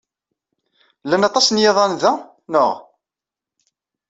Llan aṭas n yiḍan da, naɣ?